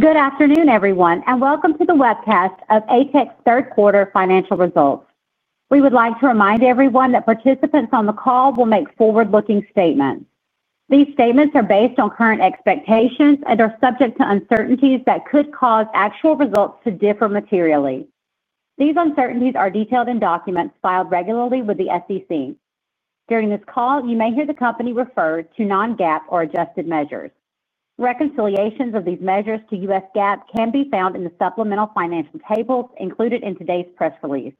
Good afternoon, everyone, and welcome to the webcast of ATEC's Third Quarter Financial Results. We would like to remind everyone that participants on the call will make forward-looking statements. These statements are based on current expectations and are subject to uncertainties that could cause actual results to differ materially. These uncertainties are detailed in documents filed regularly with the SEC. During this call, you may hear the company refer to non-GAAP or adjusted measures. Reconciliations of these measures to U.S. GAAP can be found in the supplemental financial tables included in today's press release,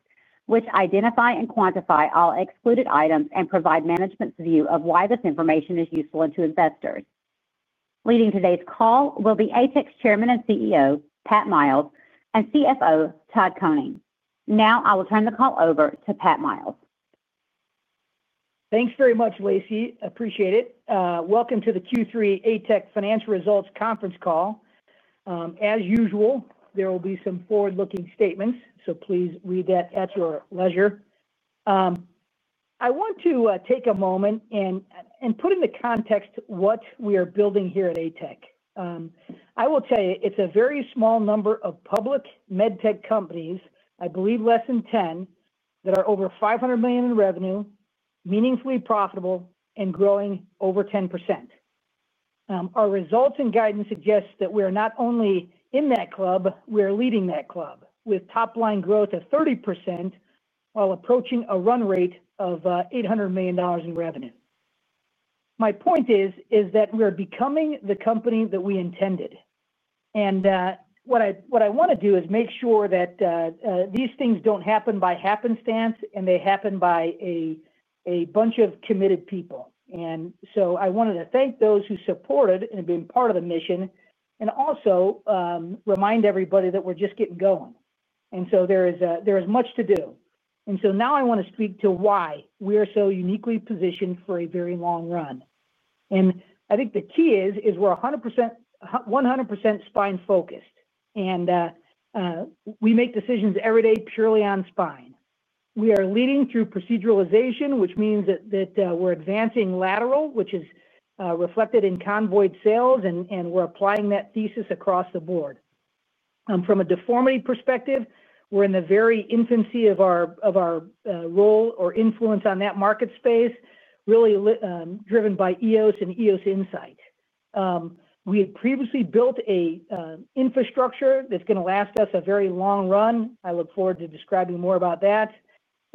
which identify and quantify all excluded items and provide management's view of why this information is useful to investors. Leading today's call will be ATEC's Chairman and CEO, Pat Miles, and CFO, Todd Koning. Now, I will turn the call over to Pat Miles. Thanks very much, Lacey. Appreciate it. Welcome to the Q3 ATEC Financial Results Conference Call. As usual, there will be some forward-looking statements, so please read that at your leisure. I want to take a moment and put into context what we are building here at ATEC. I will tell you, it's a very small number of public medtech companies, I believe less than 10, that are over $500 million in revenue, meaningfully profitable, and growing over 10%. Our results and guidance suggest that we are not only in that club, we are leading that club with top-line growth of 30% while approaching a run rate of $800 million in revenue. My point is that we are becoming the company that we intended. What I want to do is make sure that these things don't happen by happenstance and they happen by a bunch of committed people. I wanted to thank those who supported and have been part of the mission and also remind everybody that we're just getting going. There is much to do. Now I want to speak to why we are so uniquely positioned for a very long run. I think the key is we're 100% spine-focused. We make decisions every day purely on spine. We are leading through proceduralization, which means that we're advancing lateral, which is reflected in convoyed sales, and we're applying that thesis across the board. From a deformity perspective, we're in the very infancy of our role or influence on that market space, really driven by EOS and EOS Insight. We had previously built an infrastructure that's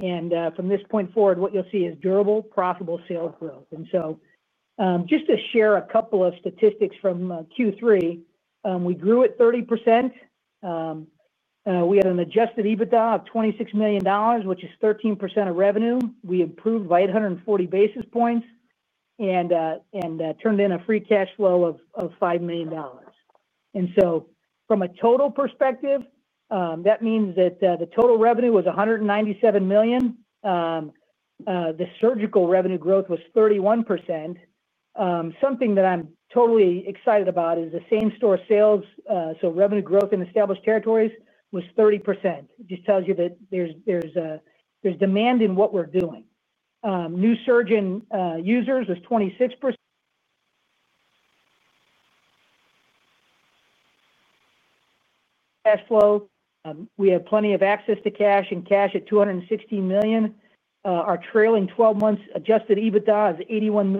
going to last us a very long run. I look forward to describing more about that. From this point forward, what you'll see is durable, profitable sales growth. Just to share a couple of statistics from Q3, we grew at 30%. We had an adjusted EBITDA of $26 million, which is 13% of revenue. We improved by 840 basis points and turned in a free cash flow of $5 million. From a total perspective, that means that the total revenue was $197 million. The surgical revenue growth was 31%. Something that I'm totally excited about is the same-store sales, so revenue growth in established territories was 30%. It just tells you that there's demand in what we're doing. New surge in users was 26%. Cash flow. We have plenty of access to cash and cash at $260 million. Our trailing 12-month adjusted EBITDA is $81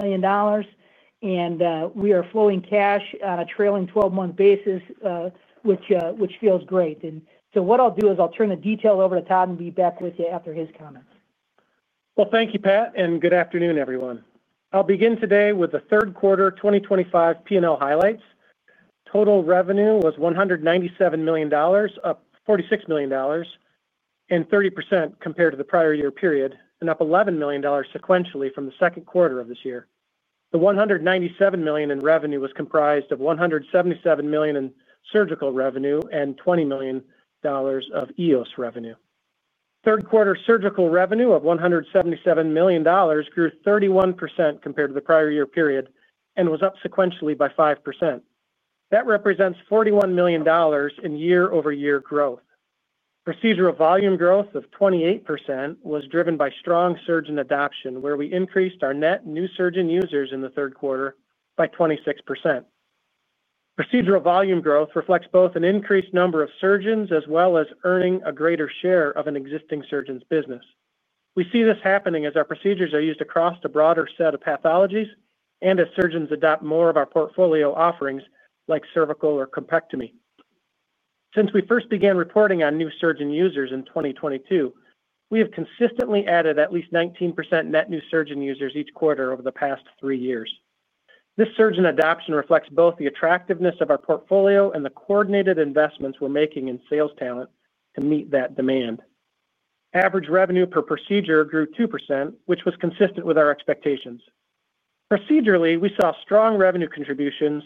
million. We are flowing cash on a trailing 12-month basis, which feels great. What I'll do is I'll turn the details over to Todd and be back with you after his comments. Thank you, Pat, and good afternoon, everyone. I'll begin today with the third-quarter 2025 P&L highlights. Total revenue was $197 million, up $46 million and 30% compared to the prior year period, and up $11 million sequentially from the second quarter of this year. The $197 million in revenue was comprised of $177 million in surgical revenue and $20 million of EOS revenue. Third-quarter surgical revenue of $177 million grew 31% compared to the prior year period and was up sequentially by 5%. That represents $41 million in year-over-year growth. Procedural volume growth of 28% was driven by strong surge in adoption, where we increased our net new surgeon users in the third quarter by 26%. Procedural volume growth reflects both an increased number of surgeons as well as earning a greater share of an existing surgeon's business. We see this happening as our procedures are used across the broader set of pathologies and as surgeons adopt more of our portfolio offerings like cervical or corpectomy. Since we first began reporting on new surgeon users in 2022, we have consistently added at least 19% net new surgeon users each quarter over the past 3 years. This surge in adoption reflects both the attractiveness of our portfolio and the coordinated investments we're making in sales talent to meet that demand. Average revenue per procedure grew 2%, which was consistent with our expectations. Procedurally, we saw strong revenue contributions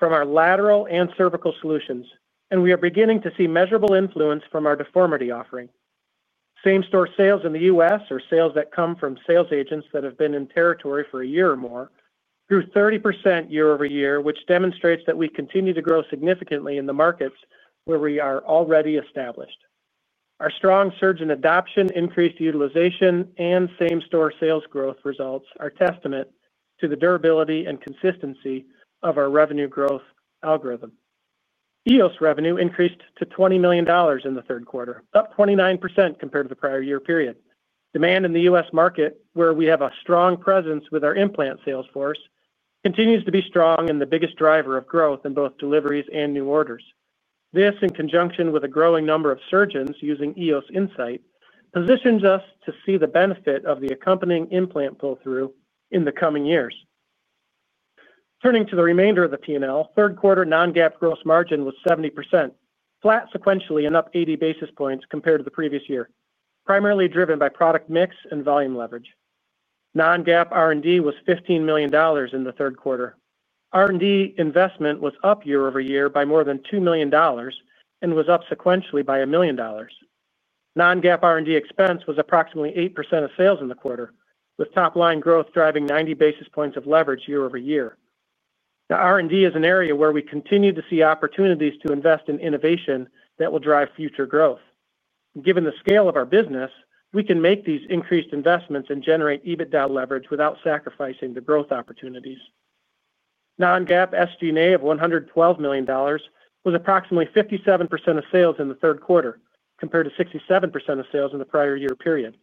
from our lateral and cervical solutions, and we are beginning to see measurable influence from our deformity offering. Same-store sales in the U.S., or sales that come from sales agents that have been in territory for a year or more, grew 30% year-over-year, which demonstrates that we continue to grow significantly in the markets where we are already established. Our strong surge in adoption, increased utilization, and same-store sales growth results are a testament to the durability and consistency of our revenue growth algorithm. EOS revenue increased to $20 million in the third quarter, up 29% compared to the prior year period. Demand in the U.S. market, where we have a strong presence with our implant sales force, continues to be strong and the biggest driver of growth in both deliveries and new orders. This, in conjunction with a growing number of surgeons using EOS Insight, positions us to see the benefit of the accompanying implant pull-through in the coming years. Turning to the remainder of the P&L, third-quarter non-GAAP gross margin was 70%, flat sequentially and up 80 basis points compared to the previous year, primarily driven by product mix and volume leverage. Non-GAAP R&D was $15 million in the third quarter. R&D investment was up year-over-year by more than $2 million and was up sequentially by $1 million. Non-GAAP R&D expense was approximately 8% of sales in the quarter, with top-line growth driving 90 basis points of leverage year-over-year. R&D is an area where we continue to see opportunities to invest in innovation that will drive future growth. Given the scale of our business, we can make these increased investments and generate EBITDA leverage without sacrificing the growth opportunities. Non-GAAP SG&A of $112 million was approximately 57% of sales in the third quarter compared to 67% of sales in the prior year period.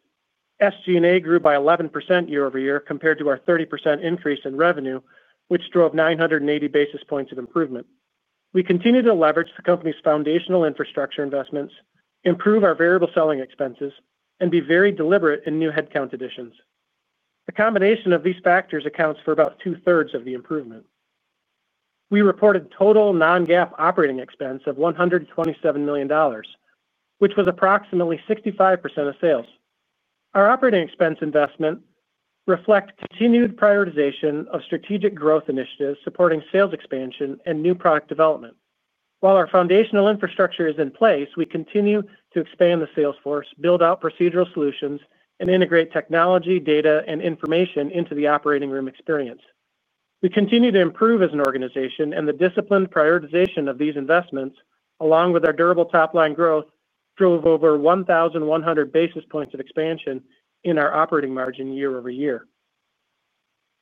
SG&A grew by 11% year-over-year compared to our 30% increase in revenue, which drove 980 basis points of improvement. We continue to leverage the company's foundational infrastructure investments, improve our variable selling expenses, and be very deliberate in new headcount additions. The combination of these factors accounts for about 2/3 of the improvement. We reported total non-GAAP operating expense of $127 million, which was approximately 65% of sales. Our operating expense investment reflects continued prioritization of strategic growth initiatives supporting sales expansion and new product development. While our foundational infrastructure is in place, we continue to expand the sales force, build out procedural solutions, and integrate technology, data, and information into the operating room experience. We continue to improve as an organization, and the disciplined prioritization of these investments, along with our durable top-line growth, drove over 1,100 basis points of expansion in our operating margin year-over-year.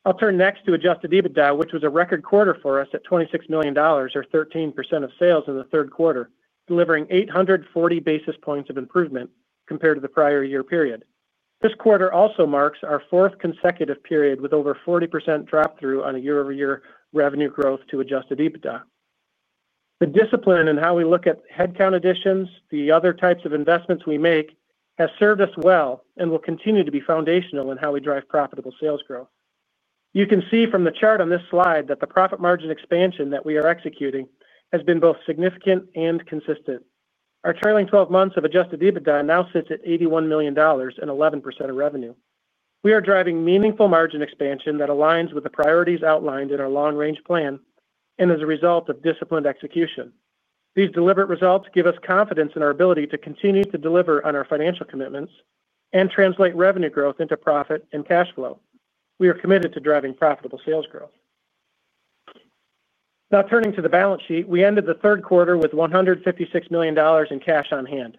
I'll turn next to adjusted EBITDA, which was a record quarter for us at $26 million, or 13% of sales in the third quarter, delivering 840 basis points of improvement compared to the prior year period. This quarter also marks our fourth consecutive period with over 40% drop-through on a year-over-year revenue growth to adjusted EBITDA. The discipline in how we look at headcount additions, the other types of investments we make, has served us well and will continue to be foundational in how we drive profitable sales growth. You can see from the chart on this slide that the profit margin expansion that we are executing has been both significant and consistent. Our trailing 12 months of adjusted EBITDA now sits at $81 million and 11% of revenue. We are driving meaningful margin expansion that aligns with the priorities outlined in our long-range plan and is a result of disciplined execution. These deliberate results give us confidence in our ability to continue to deliver on our financial commitments and translate revenue growth into profit and cash flow. We are committed to driving profitable sales growth. Now, turning to the balance sheet, we ended the third quarter with $156 million in cash on hand.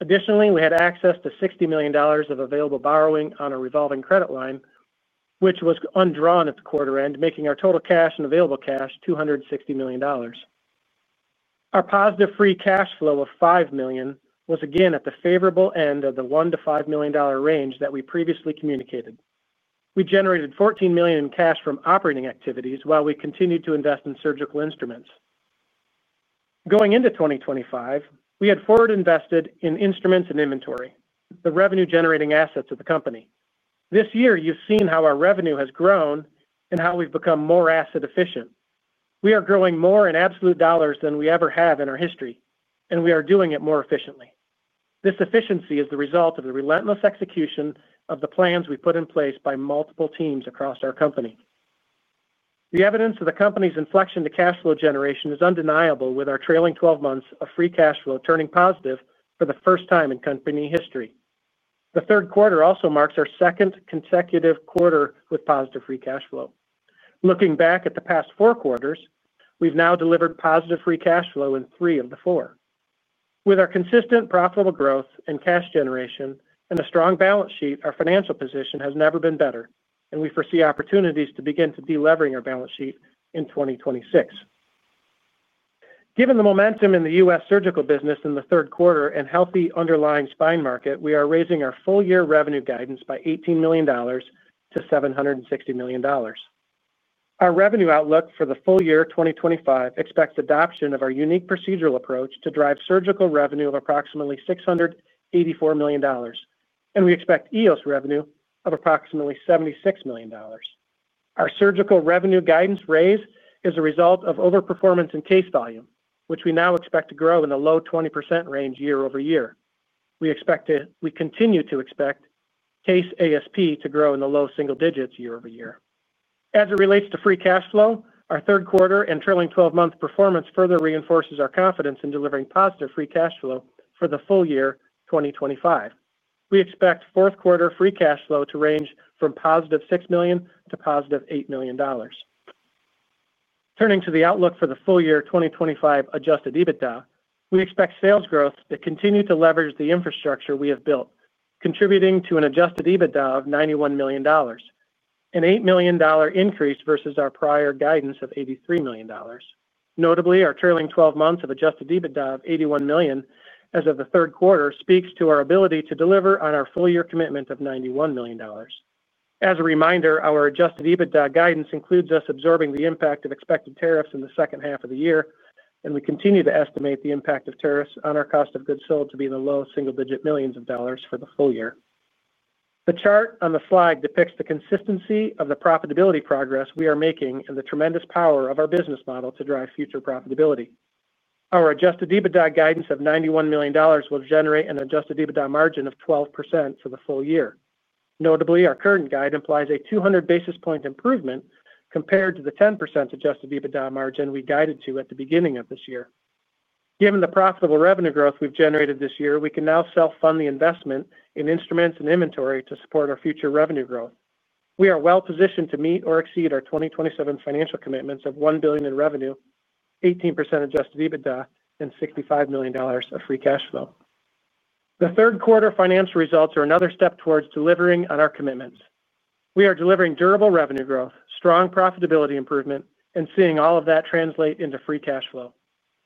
Additionally, we had access to $60 million of available borrowing on a revolving credit line, which was undrawn at the quarter end, making our total cash and available cash $260 million. Our positive free cash flow of $5 million was again at the favorable end of the $1 million-$5 million range that we previously communicated. We generated $14 million in cash from operating activities while we continued to invest in surgical instruments. Going into 2025, we had forward invested in instruments and inventory, the revenue-generating assets of the company. This year, you've seen how our revenue has grown and how we've become more asset-efficient. We are growing more in absolute dollars than we ever have in our history, and we are doing it more efficiently. This efficiency is the result of the relentless execution of the plans we put in place by multiple teams across our company. The evidence of the company's inflection to cash flow generation is undeniable, with our trailing 12 months of free cash flow turning positive for the first time in company history. The third quarter also marks our second consecutive quarter with positive free cash flow. Looking back at the past four quarters, we've now delivered positive free cash flow in three of the four. With our consistent profitable growth and cash generation and a strong balance sheet, our financial position has never been better, and we foresee opportunities to begin to deleverage our balance sheet in 2026. Given the momentum in the U.S. surgical business in the third quarter and healthy underlying spine market, we are raising our full-year revenue guidance by $18 million to $760 million. Our revenue outlook for the full year 2025 expects adoption of our unique procedural approach to drive surgical revenue of approximately $684 million, and we expect EOS revenue of approximately $76 million. Our surgical revenue guidance raise is a result of overperformance in case volume, which we now expect to grow in the low 20% range year-over-year. We continue to expect case ASP to grow in the low single digits year-over-year. As it relates to free cash flow, our third quarter and trailing 12-month performance further reinforces our confidence in delivering positive free cash flow for the full year 2025. We expect fourth-quarter free cash flow to range from +$6 million to +$8 million. Turning to the outlook for the full year 2025 adjusted EBITDA, we expect sales growth to continue to leverage the infrastructure we have built, contributing to an adjusted EBITDA of $91 million, an $8 million increase versus our prior guidance of $83 million. Notably, our trailing 12 months of adjusted EBITDA of $81 million as of the third quarter speaks to our ability to deliver on our full-year commitment of $91 million. As a reminder, our adjusted EBITDA guidance includes us absorbing the impact of expected tariffs in the second half of the year, and we continue to estimate the impact of tariffs on our cost of goods sold to be the low single-digit millions of dollars for the full year. The chart on the slide depicts the consistency of the profitability progress we are making and the tremendous power of our business model to drive future profitability. Our adjusted EBITDA guidance of $91 million will generate an adjusted EBITDA margin of 12% for the full year. Notably, our current guide implies a 200 basis point improvement compared to the 10% adjusted EBITDA margin we guided to at the beginning of this year. Given the profitable revenue growth we've generated this year, we can now self-fund the investment in instruments and inventory to support our future revenue growth. We are well-positioned to meet or exceed our 2027 financial commitments of $1 billion in revenue, 18% adjusted EBITDA, and $65 million of free cash flow. The third-quarter financial results are another step towards delivering on our commitments. We are delivering durable revenue growth, strong profitability improvement, and seeing all of that translate into free cash flow.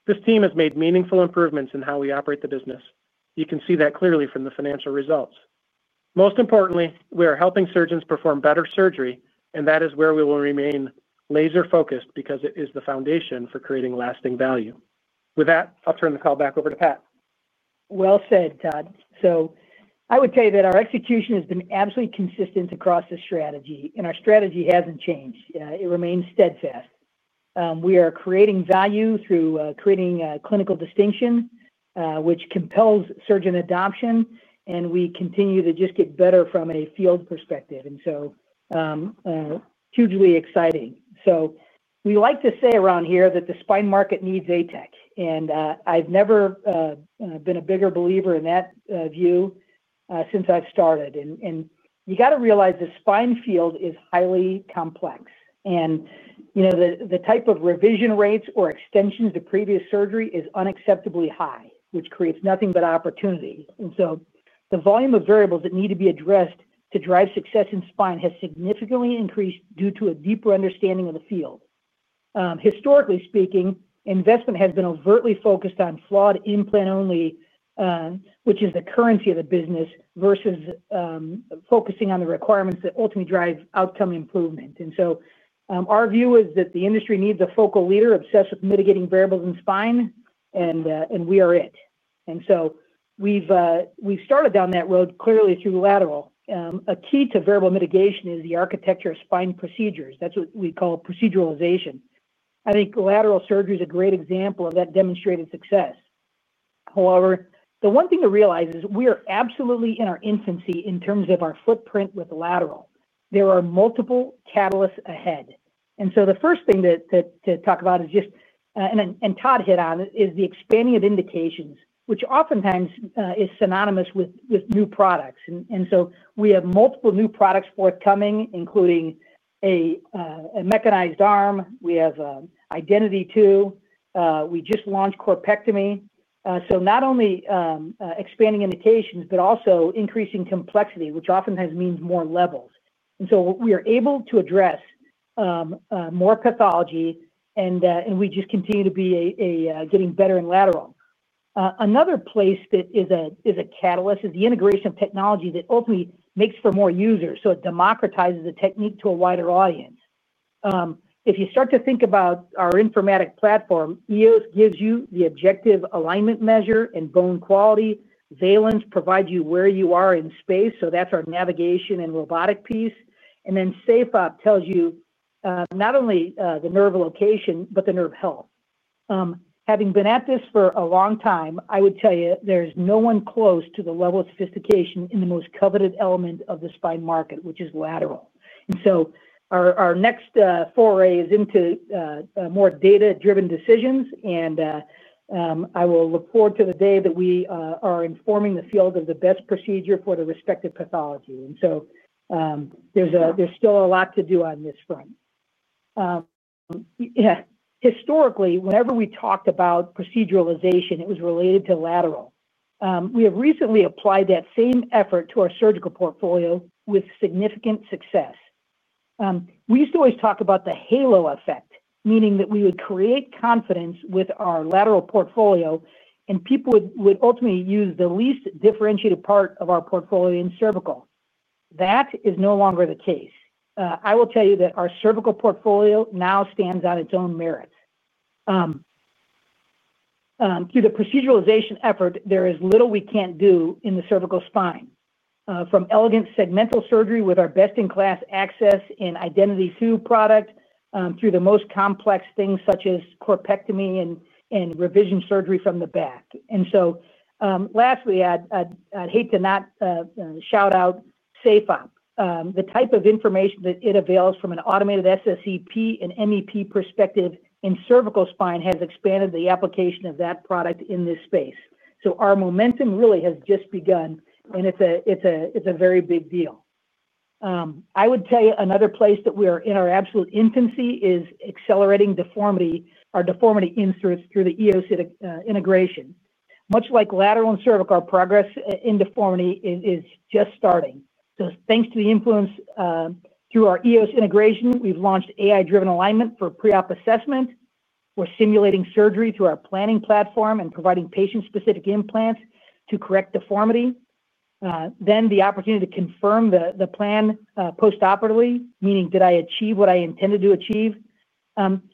This team has made meaningful improvements in how we operate the business. You can see that clearly from the financial results. Most importantly, we are helping surgeons perform better surgery, and that is where we will remain laser-focused because it is the foundation for creating lasting value. With that, I'll turn the call back over to Pat. Well said, Todd. I would say that our execution has been absolutely consistent across the strategy, and our strategy hasn't changed. It remains steadfast. We are creating value through creating clinical distinction, which compels surgeon adoption, and we continue to just get better from a field perspective. Hugely exciting. We like to say around here that the spine market needs ATEC, and I've never been a bigger believer in that view since I've started. You got to realize the spine field is highly complex. The type of revision rates or extensions to previous surgery is unacceptably high, which creates nothing but opportunity. The volume of variables that need to be addressed to drive success in spine has significantly increased due to a deeper understanding of the field. Historically speaking, investment has been overtly focused on flawed implant-only, which is the currency of the business, versus focusing on the requirements that ultimately drive outcome improvement. Our view is that the industry needs a focal leader obsessed with mitigating variables in spine, and we are it. We've started down that road clearly through lateral. A key to variable mitigation is the architecture of spine procedures. That's what we call proceduralization. I think lateral surgery is a great example of that demonstrated success. However, the one thing to realize is we are absolutely in our infancy in terms of our footprint with lateral. There are multiple catalysts ahead. The first thing to talk about is just, and Todd hit on, is the expanding of indications, which oftentimes is synonymous with new products. We have multiple new products forthcoming, including a mechanized arm. We have IdentiTi II. We just launched corpectomy. Not only expanding indications, but also increasing complexity, which oftentimes means more levels. We are able to address more pathology, and we just continue to be getting better in lateral. Another place that is a catalyst is the integration of technology that ultimately makes for more users. It democratizes the technique to a wider audience. If you start to think about our informatic platform, EOS gives you the objective alignment measure and bone quality. Valence provides you where you are in space. That's our navigation and robotic piece. SafeOp tells you not only the nerve location, but the nerve health. Having been at this for a long time, I would tell you there's no one close to the level of sophistication in the most coveted element of the spine market, which is lateral. Our next foray is into more data-driven decisions. I will look forward to the day that we are informing the field of the best procedure for the respective pathology. There's still a lot to do on this front. Historically, whenever we talked about proceduralization, it was related to lateral. We have recently applied that same effort to our surgical portfolio with significant success. We used to always talk about the halo effect, meaning that we would create confidence with our lateral portfolio, and people would ultimately use the least differentiated part of our portfolio in cervical. That is no longer the case. I will tell you that our cervical portfolio now stands on its own merits. Through the proceduralization effort, there is little we can't do in the cervical spine, from elegant segmental surgery with our best-in-class access in IdentiTi II product through the most complex things such as corpectomy and revision surgery from the back. Lastly, I'd hate to not shout out SafeOp. The type of information that it avails from an automated SSEP and MEP perspective in cervical spine has expanded the application of that product in this space. Our momentum really has just begun, and it's a very big deal. I would tell you another place that we are in our absolute infancy is accelerating our deformity inserts through the EOS integration. Much like lateral and cervical, our progress in deformity is just starting. Thanks to the influence through our EOS integration, we've launched AI-driven alignment for pre-op assessment. We're simulating surgery through our planning platform and providing patient-specific implants to correct deformity. The opportunity to confirm the plan postoperatively, meaning did I achieve what I intended to achieve, is significant.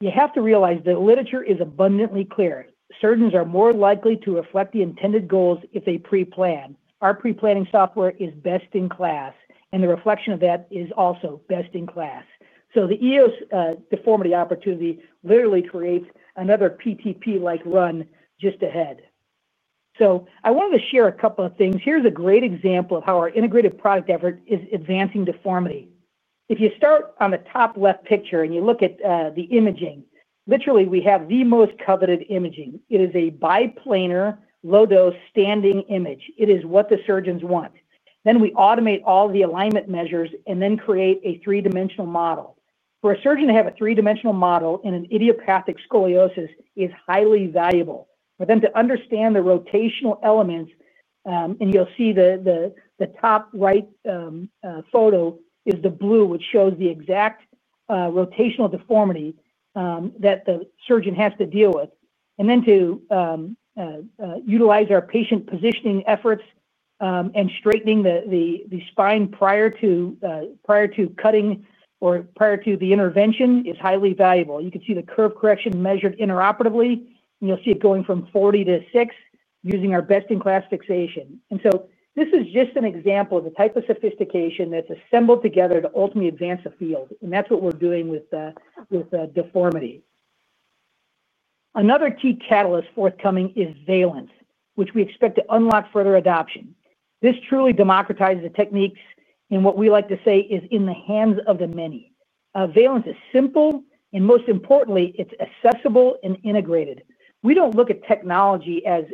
You have to realize the literature is abundantly clear. Surgeons are more likely to reflect the intended goals if they pre-plan. Our pre-planning software is best in class, and the reflection of that is also best in class. The EOS deformity opportunity literally creates another PTP-like run just ahead. I wanted to share a couple of things. Here's a great example of how our integrated product effort is advancing deformity. If you start on the top left picture and you look at the imaging, literally we have the most coveted imaging. It is a biplanar, low-dose standing image. It is what the surgeons want. We automate all the alignment measures and then create a three-dimensional model. For a surgeon to have a three-dimensional model in an idiopathic scoliosis is highly valuable. For them to understand the rotational elements, you'll see the top right photo is the blue, which shows the exact rotational deformity that the surgeon has to deal with. To utilize our patient positioning efforts and straightening the spine prior to cutting or prior to the intervention is highly valuable. You can see the curve correction measured intraoperatively, and you'll see it going from 40 to 6 using our best-in-class fixation. This is just an example of the type of sophistication that's assembled together to ultimately advance the field. That's what we're doing with deformity. Another key catalyst forthcoming is Valence, which we expect to unlock further adoption. This truly democratizes the techniques in what we like to say is in the hands of the many. Valence is simple, and most importantly, it's accessible and integrated. We don't look at technology as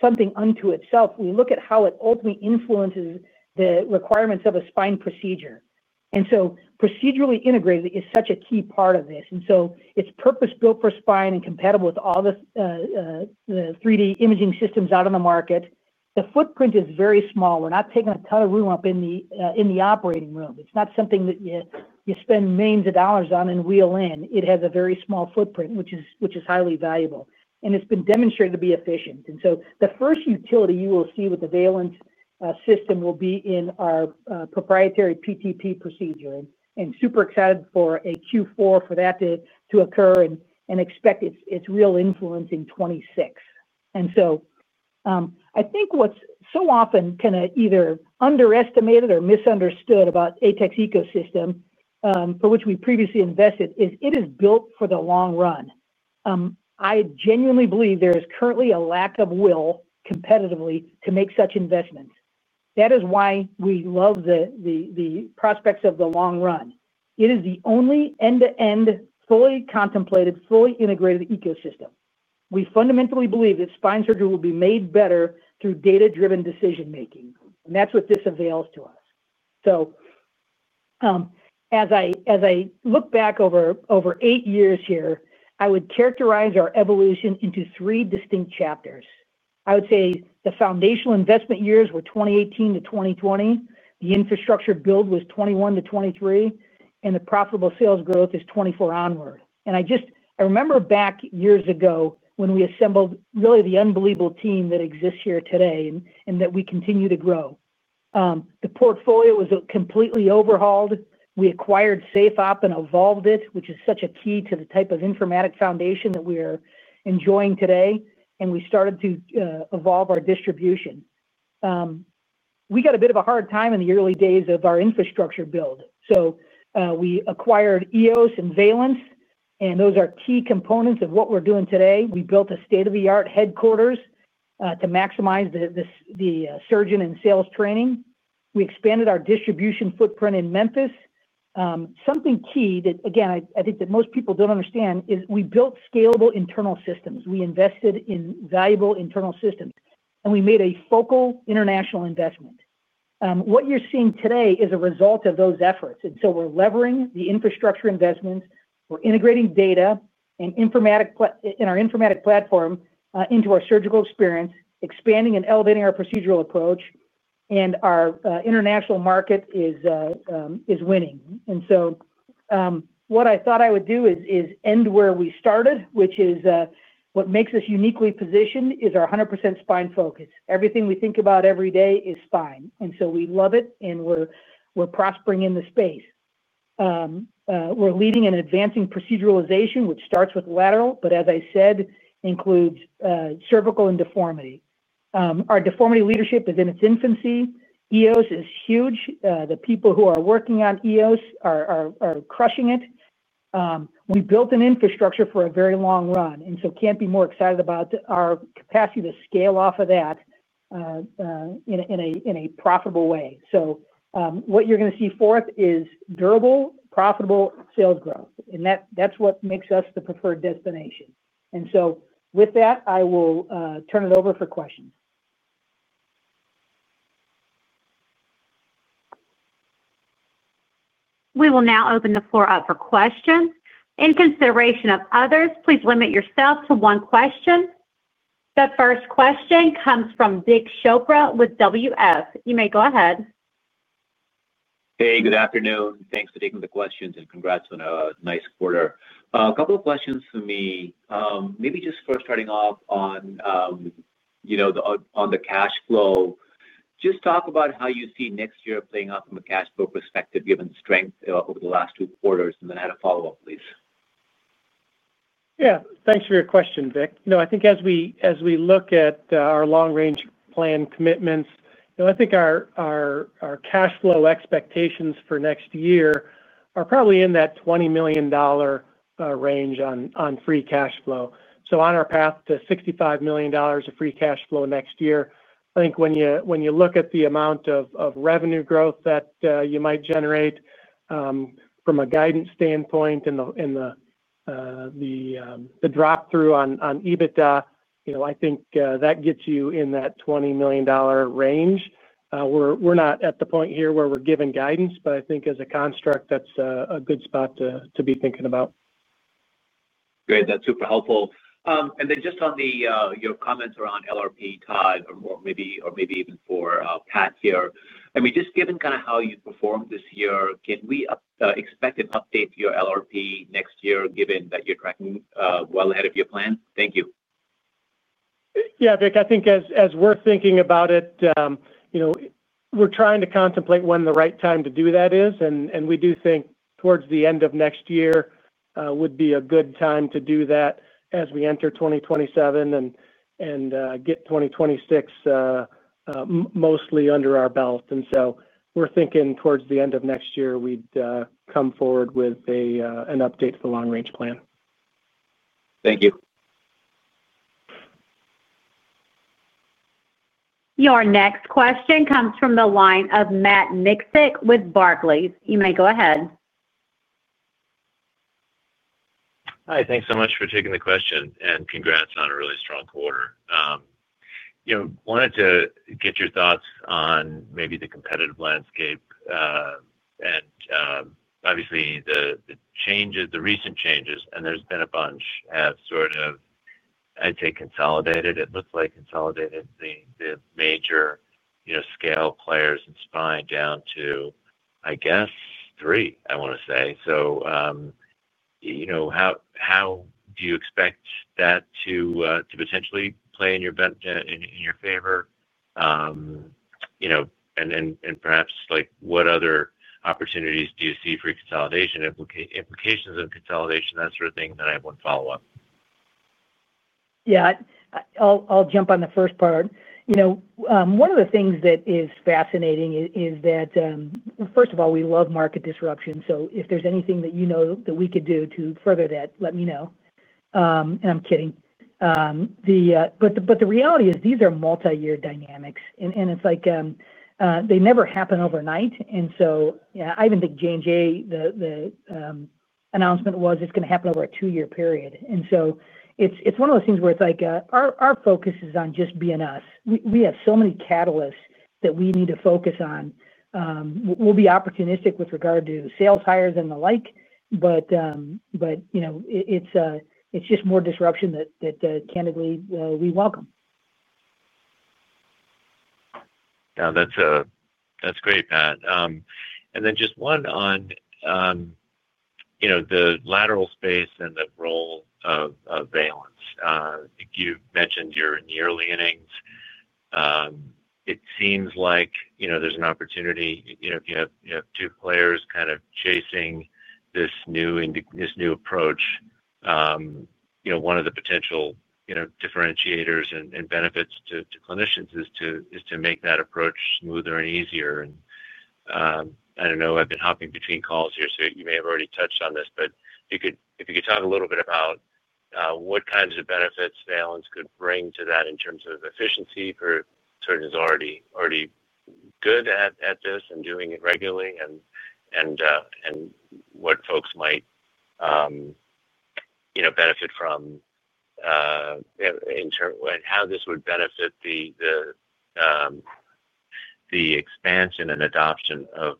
something unto itself. We look at how it ultimately influences the requirements of a spine procedure. Procedurally integrated is such a key part of this. It's purpose-built for spine and compatible with all the 3D imaging systems out on the market. The footprint is very small. We're not taking a ton of room up in the operating room. It's not something that you spend millions of dollars on and wheel in. It has a very small footprint, which is highly valuable. It's been demonstrated to be efficient. The first utility you will see with the Valence system will be in our proprietary PTP procedure. Super excited for a Q4 for that to occur and expect its real influence in 2026. I think what's so often kind of either underestimated or misunderstood about ATEC's ecosystem, for which we previously invested, is it is built for the long run. I genuinely believe there is currently a lack of will competitively to make such investments. That is why we love the prospects of the long run. It is the only end-to-end, fully contemplated, fully integrated ecosystem. We fundamentally believe that spine surgery will be made better through data-driven decision-making. That's what this avails to us. As I look back over 8 years here, I would characterize our evolution into three distinct chapters. I would say the foundational investment years were 2018 to 2020. The infrastructure build was 2021 to 2023, and the profitable sales growth is 2024 onward. I remember back years ago when we assembled really the unbelievable team that exists here today and that we continue to grow. The portfolio was completely overhauled. We acquired SafeOp and evolved it, which is such a key to the type of informatic foundation that we are enjoying today. We started to evolve our distribution. We got a bit of a hard time in the early days of our infrastructure build. We acquired EOS and Valence, and those are key components of what we're doing today. We built a state-of-the-art headquarters to maximize the surgeon and sales training. We expanded our distribution footprint in Memphis. Something key that, again, I think that most people don't understand is we built scalable internal systems. We invested in valuable internal systems, and we made a focal international investment. What you're seeing today is a result of those efforts. We're levering the infrastructure investments. We're integrating data in our informatic platform into our surgical experience, expanding and elevating our procedural approach. Our international market is winning. What I thought I would do is end where we started, which is what makes us uniquely positioned is our 100% spine focus. Everything we think about every day is spine. We love it, and we're prospering in the space. We're leading and advancing proceduralization, which starts with lateral, but as I said, includes cervical and deformity. Our deformity leadership is in its infancy. EOS is huge. The people who are working on EOS are crushing it. We built an infrastructure for a very long run, and can't be more excited about our capacity to scale off of that in a profitable way. What you're going to see forth is durable, profitable sales growth. That's what makes us the preferred destination. With that, I will turn it over for questions. We will now open the floor up for questions. In consideration of others, please limit yourself to one question. The first question comes from Vik Chopra with WF. You may go ahead. Hey, good afternoon. Thanks for taking the questions and congrats on a nice quarter. A couple of questions for me. Maybe just first starting off on the cash flow. Just talk about how you see next year playing out from a cash flow perspective given strength over the last two quarters. I had a follow-up, please. Yeah. Thanks for your question, Vik. No, I think as we look at our long-range plan commitments, I think our cash flow expectations for next year are probably in that $20 million range on free cash flow. On our path to $65 million of free cash flow next year, I think when you look at the amount of revenue growth that you might generate from a guidance standpoint and the drop-through on EBITDA, I think that gets you in that $20 million range. We're not at the point here where we're giving guidance, but I think as a construct, that's a good spot to be thinking about. Great. That's super helpful. Just on your comments around LRP, Todd, or maybe even for Pat here, I mean, just given kind of how you performed this year, can we expect an update to your LRP next year given that you're tracking well ahead of your plan? Thank you. Yeah, Vik, I think as we're thinking about it, we're trying to contemplate when the right time to do that is. We do think towards the end of next year would be a good time to do that as we enter 2027 and get 2026 mostly under our belt. We're thinking towards the end of next year we'd come forward with an update for the long-range plan. Thank you. Your next question comes from the line of Matt Miksic with Barclays. You may go ahead. Hi, thanks so much for taking the question and congrats on a really strong quarter. I wanted to get your thoughts on maybe the competitive landscape. Obviously, the recent changes, and there's been a bunch, have sort of, I'd say, consolidated. It looks like consolidated the major scale players in spine down to, I guess, three, I want to say. How do you expect that to potentially play in your favor? Perhaps what other opportunities do you see for consolidation, implications of consolidation, that sort of thing that I want to follow up? Yeah. I'll jump on the first part. One of the things that is fascinating is that, first of all, we love market disruption. If there's anything that you know that we could do to further that, let me know. I'm kidding. The reality is these are multi-year dynamics. They never happen overnight. I even think J&J, the announcement was it's going to happen over a two-year period. It's one of those things where our focus is on just being us. We have so many catalysts that we need to focus on. We'll be opportunistic with regard to sales hires and the like. It's just more disruption that, candidly, we welcome. That's great, Pat. Just one on the lateral space and the role of Valence. You mentioned you're in the early innings. It seems like there's an opportunity if you have two players kind of chasing this new approach. One of the potential differentiators and benefits to clinicians is to make that approach smoother and easier. I don't know, I've been hopping between calls here, so you may have already touched on this, but if you could talk a little bit about what kinds of benefits Valence could bring to that in terms of efficiency for surgeons already good at this and doing it regularly, and what folks might benefit from, and how this would benefit the expansion and adoption of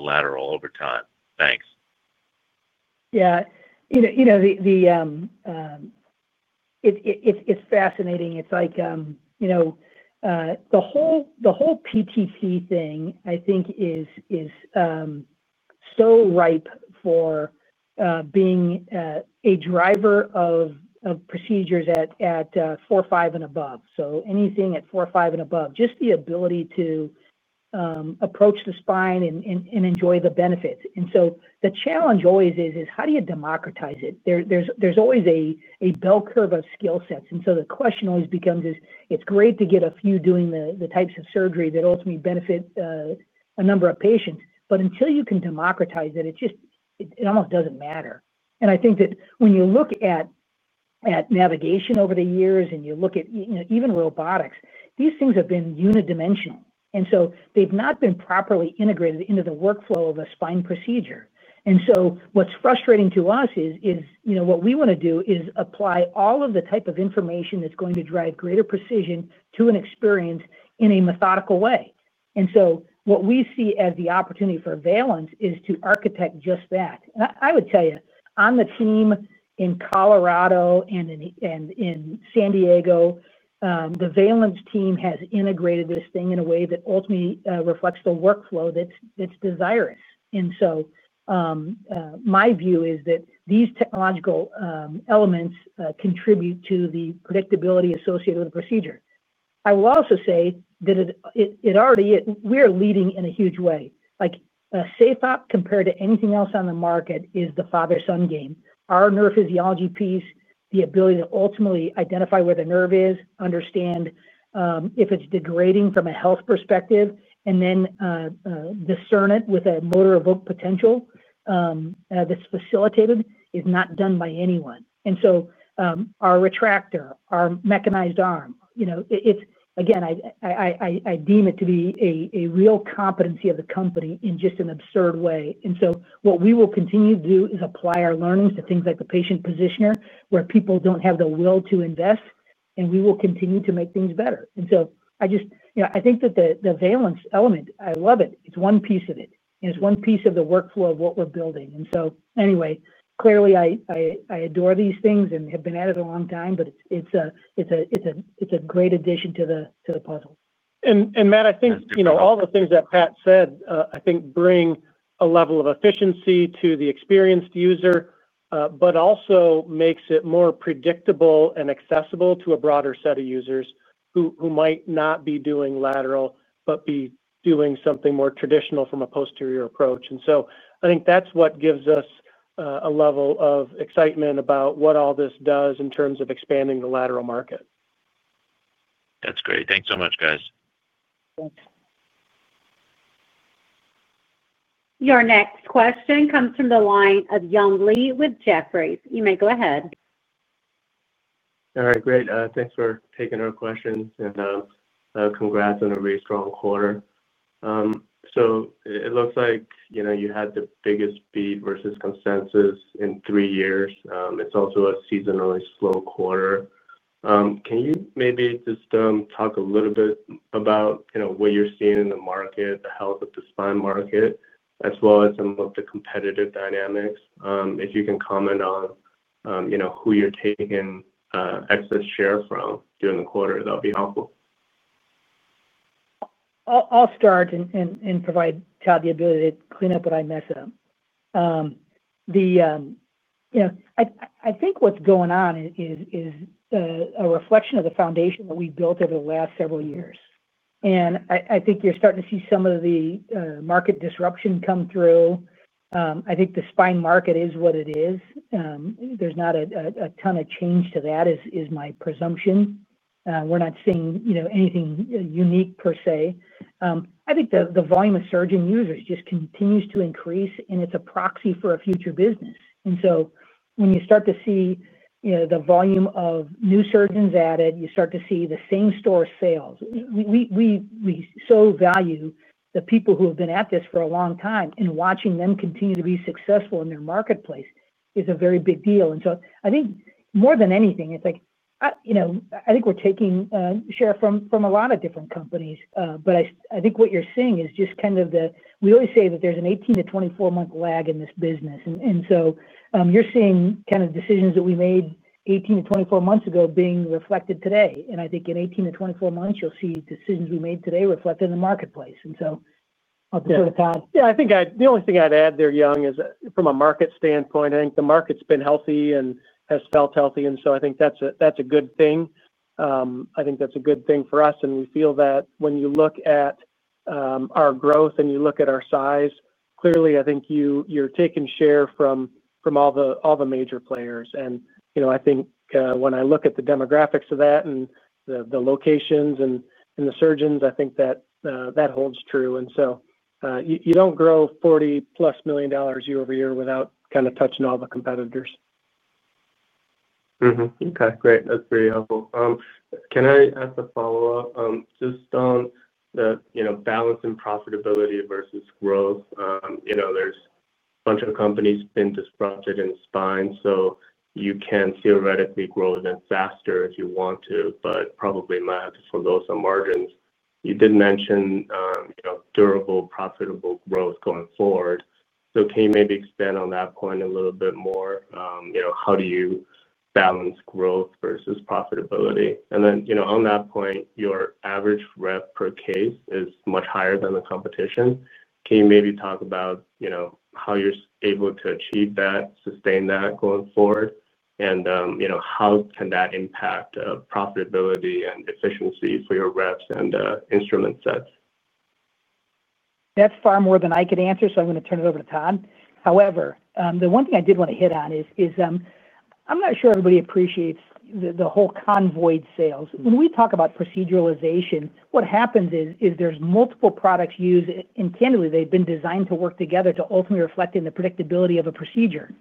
lateral over time. Thanks. Yeah. It's fascinating. It's like the whole PTP thing, I think, is so ripe for being a driver of procedures at four, five, and above. Anything at four, five, and above, just the ability to approach the spine and enjoy the benefits. The challenge always is, how do you democratize it? There's always a bell curve of skill sets. The question always becomes, it's great to get a few doing the types of surgery that ultimately benefit a number of patients, but until you can democratize it, it almost doesn't matter. I think that when you look at navigation over the years and you look at even robotics, these things have been unidimensional. They've not been properly integrated into the workflow of a spine procedure. What's frustrating to us is what we want to do is apply all of the type of information that's going to drive greater precision to an experience in a methodical way. What we see as the opportunity for Valence is to architect just that. I would tell you on the team in Colorado and in San Diego, the Valence team has integrated this thing in a way that ultimately reflects the workflow that's desirous. My view is that these technological elements contribute to the predictability associated with the procedure. I will also say that we are leading in a huge way. SafeOp, compared to anything else on the market, is the father-son game. Our neurophysiology piece, the ability to ultimately identify where the nerve is, understand if it's degrading from a health perspective, and then discern it with a motor evoked potential that's facilitated, is not done by anyone. Our retractor, our mechanized arm, again, I deem it to be a real competency of the company in just an absurd way. What we will continue to do is apply our learnings to things like the patient positioner, where people don't have the will to invest, and we will continue to make things better. I think that the Valence element, I love it. It's one piece of it, and it's one piece of the workflow of what we're building. Anyway, clearly, I adore these things and have been at it a long time, but it's a great addition to the puzzle. Matt, I think all the things that Pat said bring a level of efficiency to the experienced user, but also make it more predictable and accessible to a broader set of users who might not be doing lateral but are doing something more traditional from a posterior approach. I think that's what gives us a level of excitement about what all this does in terms of expanding the lateral market. That's great. Thanks so much, guys. Thanks. Your next question comes from the line of Young Li with Jefferies. You may go ahead. All right. Great. Thanks for taking our questions. Congrats on a really strong quarter. It looks like you had the biggest beat versus consensus in 3 years. It's also a seasonally slow quarter. Can you maybe just talk a little bit about what you're seeing in the market, the health of the spine market, as well as some of the competitive dynamics? If you can comment on who you're taking excess share from during the quarter, that'll be helpful. I'll start and provide Todd the ability to clean up what I messed up. I think what's going on is a reflection of the foundation that we've built over the last several years. I think you're starting to see some of the market disruption come through. I think the spine market is what it is. There's not a ton of change to that, is my presumption. We're not seeing anything unique per se. I think the volume of surgeon users just continues to increase, and it's a proxy for a future business. When you start to see the volume of new surgeons added, you start to see the same-store sales. We so value the people who have been at this for a long time, and watching them continue to be successful in their marketplace is a very big deal. I think more than anything, it's like I think we're taking share from a lot of different companies. I think what you're seeing is just kind of the, we always say that there's an 18-24-month lag in this business. You're seeing kind of decisions that we made 18-24 months ago being reflected today. I think in 18-24 months, you'll see decisions we made today reflected in the marketplace. I'll defer to Todd. Yeah. I think the only thing I'd add there, Young, is from a market standpoint, I think the market's been healthy and has felt healthy. I think that's a good thing. I think that's a good thing for us. We feel that when you look at our growth and you look at our size, clearly, I think you're taking share from all the major players. When I look at the demographics of that and the locations and the surgeons, I think that holds true. You don't grow $40+ million year-over-year without kind of touching all the competitors. Okay. Great. That's very helpful. Can I ask a follow-up just on the balance and profitability versus growth? There's a bunch of companies been disrupted in spine, so you can theoretically grow even faster if you want to, but probably might have to for those margins. You did mention durable, profitable growth going forward. Can you maybe expand on that point a little bit more? How do you balance growth versus profitability? On that point, your average rep per case is much higher than the competition. Can you maybe talk about how you're able to achieve that, sustain that going forward, and how can that impact profitability and efficiency for your reps and instrument sets? That's far more than I could answer, so I'm going to turn it over to Todd. However, the one thing I did want to hit on is I'm not sure everybody appreciates the whole convoid sales. When we talk about proceduralization, what happens is there's multiple products used and, candidly, they've been designed to work together to ultimately reflect in the predictability of a procedure.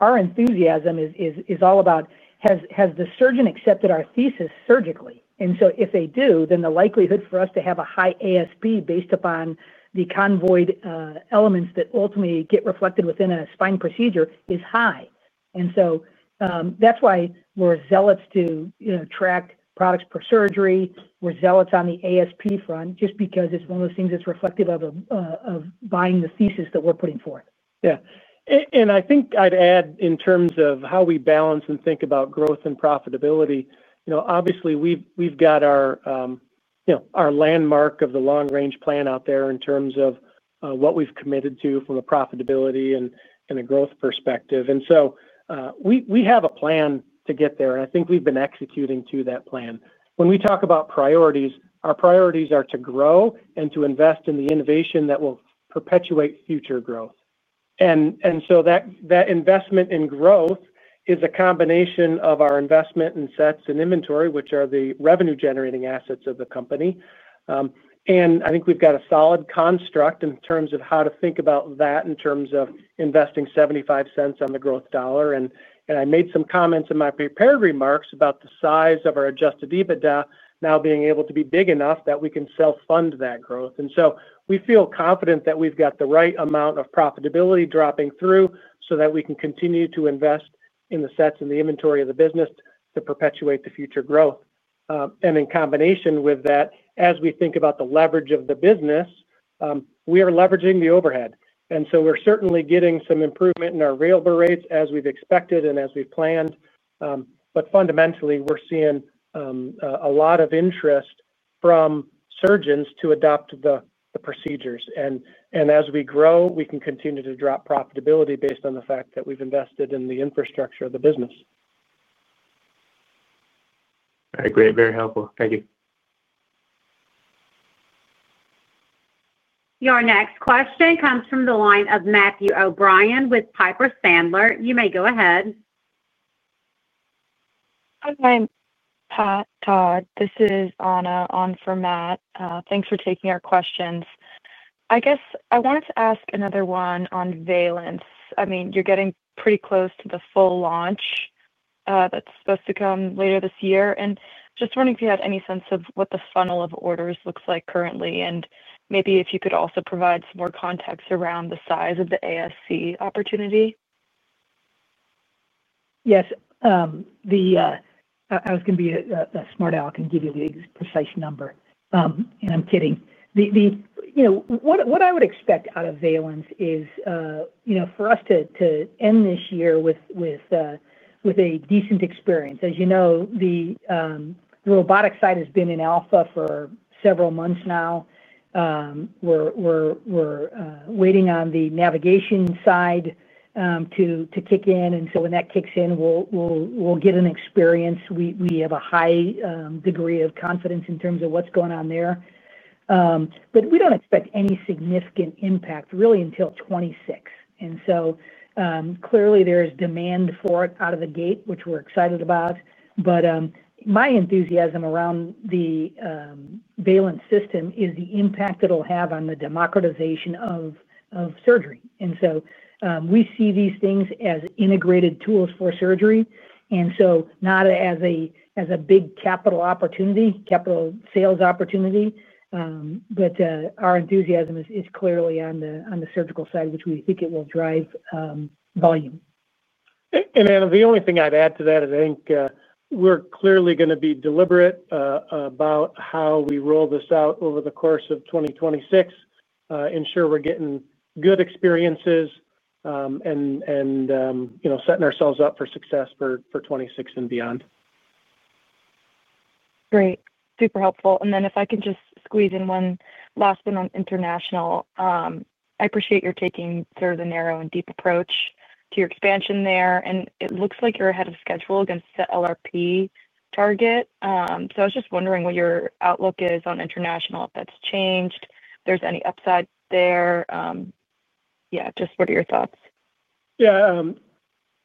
Our enthusiasm is all about has the surgeon accepted our thesis surgically. If they do, then the likelihood for us to have a high ASP based upon the convoid elements that ultimately get reflected within a spine procedure is high. That's why we're zealots to track products per surgery. We're zealots on the ASP front just because it's one of those things that's reflective of buying the thesis that we're putting forth. Yeah. I think I'd add in terms of how we balance and think about growth and profitability, obviously, we've got our landmark of the long-range plan out there in terms of what we've committed to from a profitability and a growth perspective. We have a plan to get there, and I think we've been executing to that plan. When we talk about priorities, our priorities are to grow and to invest in the innovation that will perpetuate future growth. That investment in growth is a combination of our investment in sets and inventory, which are the revenue-generating assets of the company. I think we've got a solid construct in terms of how to think about that in terms of investing $0.75 on the growth dollar. I made some comments in my prepared remarks about the size of our adjusted EBITDA now being able to be big enough that we can self-fund that growth. We feel confident that we've got the right amount of profitability dropping through so that we can continue to invest in the sets and the inventory of the business to perpetuate the future growth. In combination with that, as we think about the leverage of the business, we are leveraging the overhead. We're certainly getting some improvement in our real berets as we've expected and as we've planned. Fundamentally, we're seeing a lot of interest from surgeons to adopt the procedures. As we grow, we can continue to drop profitability based on the fact that we've invested in the infrastructure of the business. All right. Great. Very helpful. Thank you. Your next question comes from the line of Matthew O'Brien with Piper Sandler. You may go ahead. Hi, Todd. This is Anna on for Matt. Thanks for taking our questions. I guess I wanted to ask another one on Valence. You're getting pretty close to the full launch. That's supposed to come later this year. Just wondering if you had any sense of what the funnel of orders looks like currently and maybe if you could also provide some more context around the size of the ASC opportunity. Yes. I was going to be a smart alec and give you the precise number. I'm kidding. What I would expect out of Valence is for us to end this year with a decent experience. As you know, the robotic side has been in Alpha for several months now. We're waiting on the navigation side to kick in. When that kicks in, we'll get an experience. We have a high degree of confidence in terms of what's going on there. We don't expect any significant impact really until 2026. Clearly, there's demand for it out of the gate, which we're excited about. My enthusiasm around the Valence system is the impact it'll have on the democratization of surgery. We see these things as integrated tools for surgery, not as a big capital opportunity, capital sales opportunity. Our enthusiasm is clearly on the surgical side, which we think it will drive volume. Anna, the only thing I'd add to that is I think we're clearly going to be deliberate about how we roll this out over the course of 2026. We want to ensure we're getting good experiences and setting ourselves up for success for 2026 and beyond. Great. Super helpful. If I can just squeeze in one last one on international, I appreciate your taking sort of the narrow and deep approach to your expansion there. It looks like you're ahead of schedule against the LRP target. I was just wondering what your outlook is on international, if that's changed, if there's any upside there. Yeah, just what are your thoughts? Yeah.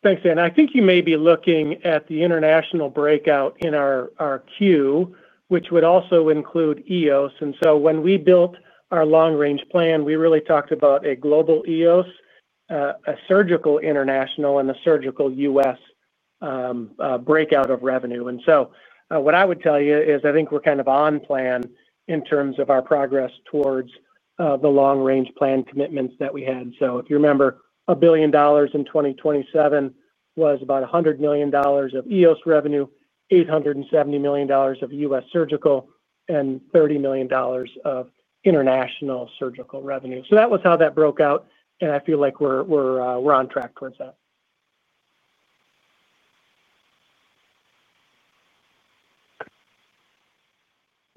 Thanks, Anna. I think you may be looking at the international breakout in our queue, which would also include EOS. When we built our long-range plan, we really talked about a global EOS, a surgical international, and a surgical U.S. breakout of revenue. What I would tell you is I think we're kind of on plan in terms of our progress towards the long-range plan commitments that we had. If you remember, $1 billion in 2027 was about $100 million of EOS revenue, $870 million of U.S. surgical, and $30 million of international surgical revenue. That was how that broke out. I feel like we're on track towards that.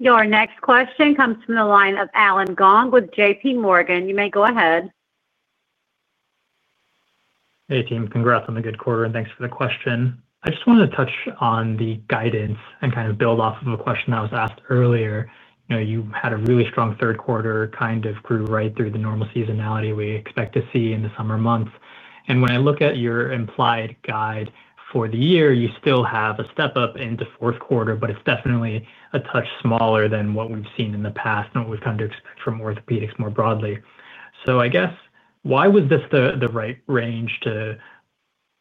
Your next question comes from the line of Allen Gong with JPMorgan. You may go ahead. Hey, team. Congrats on the good quarter, and thanks for the question. I just wanted to touch on the guidance and kind of build off of a question that was asked earlier. You had a really strong third quarter, kind of grew right through the normal seasonality we expect to see in the summer months. When I look at your implied guide for the year, you still have a step up into fourth quarter, but it's definitely a touch smaller than what we've seen in the past and what we've come to expect from orthopedics more broadly. I guess, why was this the right range to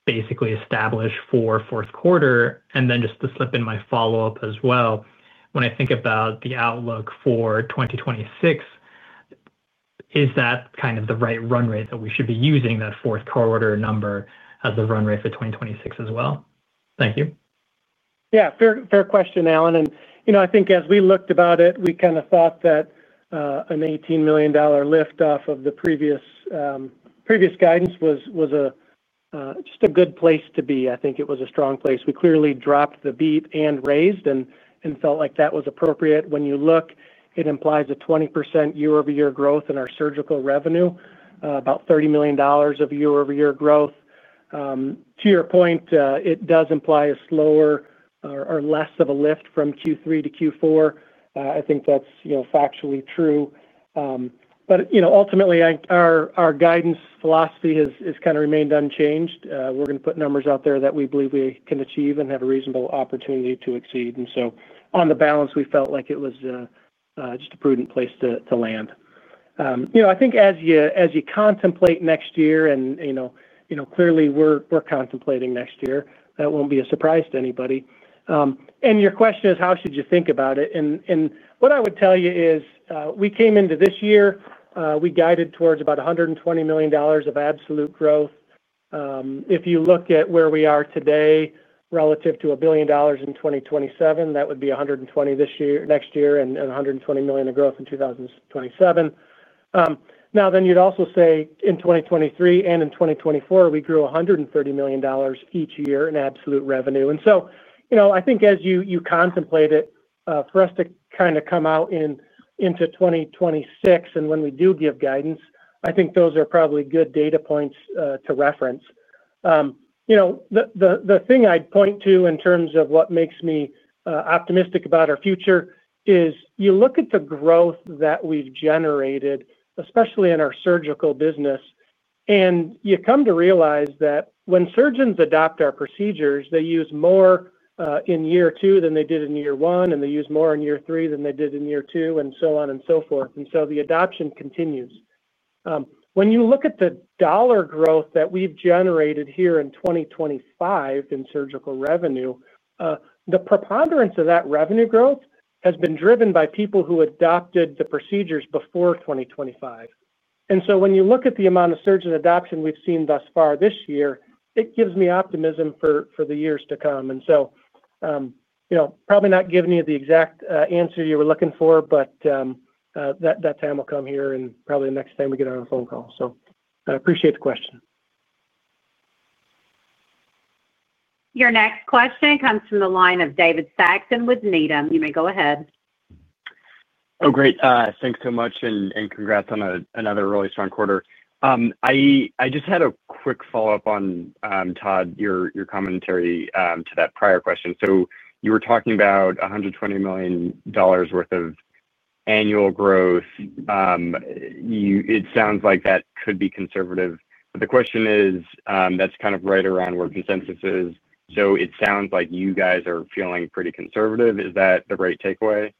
basically establish for fourth quarter? Just to slip in my follow-up as well, when I think about the outlook for 2026, is that kind of the right run rate that we should be using, that fourth quarter number as the run rate for 2026 as well? Thank you. Yeah. Fair question, Allen. I think as we looked about it, we kind of thought that an $18 million lift off of the previous guidance was just a good place to be. I think it was a strong place. We clearly dropped the beat and raised and felt like that was appropriate. When you look, it implies a 20% year-over-year growth in our surgical revenue, about $30 million of year-over-year growth. To your point, it does imply a slower or less of a lift from Q3 to Q4. I think that's factually true. Ultimately, our guidance philosophy has kind of remained unchanged. We're going to put numbers out there that we believe we can achieve and have a reasonable opportunity to exceed. On the balance, we felt like it was just a prudent place to land. I think as you contemplate next year, and clearly we're contemplating next year, that won't be a surprise to anybody. Your question is, how should you think about it? What I would tell you is we came into this year, we guided towards about $120 million of absolute growth. If you look at where we are today relative to a billion dollars in 2027, that would be $120 million next year and $120 million of growth in 2027. Now, then you'd also say in 2023 and in 2024, we grew $130 million each year in absolute revenue. I think as you contemplate it, for us to kind of come out into 2026 and when we do give guidance, I think those are probably good data points to reference. The thing I'd point to in terms of what makes me optimistic about our future is you look at the growth that we've generated, especially in our surgical business. You come to realize that when surgeons adopt our procedures, they use more in year two than they did in year one, and they use more in year three than they did in year two, and so on and so forth. The adoption continues. When you look at the dollar growth that we've generated here in 2025 in surgical revenue, the preponderance of that revenue growth has been driven by people who adopted the procedures before 2025. When you look at the amount of surgeon adoption we've seen thus far this year, it gives me optimism for the years to come. Probably not giving you the exact answer you were looking for, but that time will come here and probably the next time we get on a phone call. I appreciate the question. Your next question comes from the line of David Saxon with Needham. You may go ahead. Oh, great. Thanks so much and congrats on another really strong quarter. I just had a quick follow-up on Todd, your commentary to that prior question. You were talking about $120 million worth of annual growth. It sounds like that could be conservative. The question is, that's kind of right around where consensus is. It sounds like you guys are feeling pretty conservative. Is that the right takeaway?